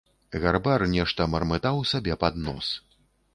Гарбар нешта мармытаў сабе под нос.